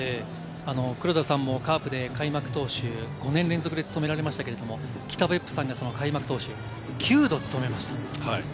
黒田さんもカープで開幕投手、５年連続で務められましたけれど、北別府さんがその開幕投手を９度務めました。